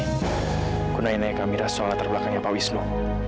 aku nanya nanya ke amira soal latar belakangnya pak wisnu